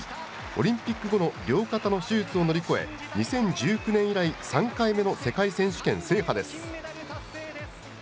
オリンピック後の両肩の手術を乗り越え、２０１９年以来、３回目の世界選手権制覇です。